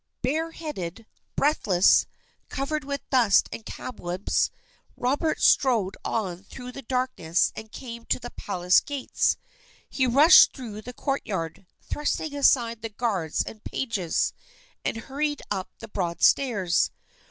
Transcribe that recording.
Bareheaded, breathless, covered with dust and cobwebs, Robert strode on through the darkness, and came to the palace gates. He rushed through the courtyard, thrusting aside the guards and pages, and hurried up the broad stairs.